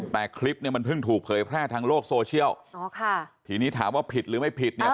แต่คลิปเนี่ยมันเพิ่งถูกเผยแพร่ทางโลกโซเชียลอ๋อค่ะทีนี้ถามว่าผิดหรือไม่ผิดเนี่ย